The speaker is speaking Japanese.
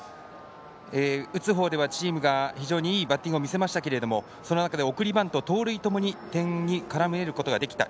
打つ方ではチームが非常にいいバッティングを見せましたがその中で送りバント、盗塁ともに点に絡めることができた。